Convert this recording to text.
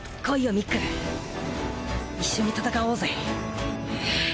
ミック一緒に戦おうぜ。